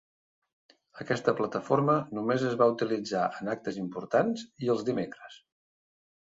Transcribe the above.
Aquesta plataforma només es va utilitzar en actes importants i els dimecres.